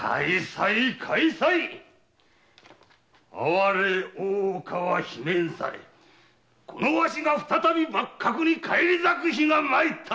哀れ大岡は罷免されわしが再び幕閣に返り咲く日が参ったのだ！